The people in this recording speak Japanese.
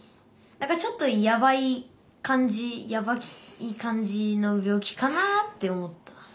何かちょっとやばい感じやばい感じの病気かなって思った。